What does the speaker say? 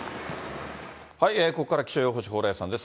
ここから気象予報士、蓬莱さんです。